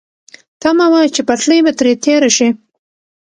تمه وه چې پټلۍ به ترې تېره شي.